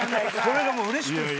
それがもううれしくて。